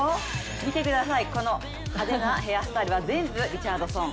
見てください、この派手なヘアスタイルは全部リチャードソン。